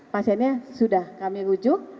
pasiennya sudah kami rujuk